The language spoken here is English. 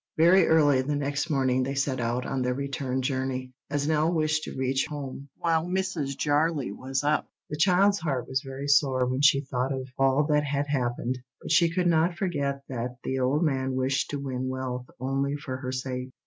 Very early the next morning they set out on their return journey, as Nell wished to reach home before Mrs. Jarley was up. The child's heart was very sore when she thought of all that had happened, but she could not forget that the old man wished to win wealth only for her sake.